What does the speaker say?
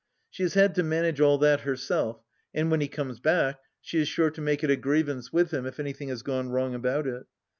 She has had to manage all that herself, and when he comes back she is sure to make it a grievance with him if anything has gone wrong about it.